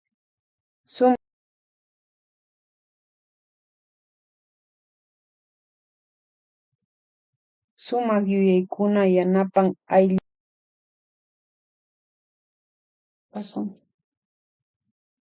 Sumak yuyaykuna yanapan aylly llakta wiñarichu.